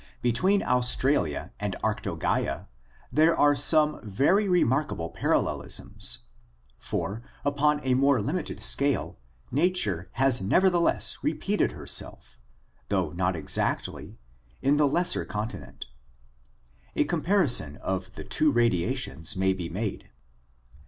Between Australia and Arctogiea there are some very remarkable parallelisms, for, upon a more limited scale, nature has nevertheless repeated herself, though not exactly, in the lesser continent. A comparison of the two radiations may be made.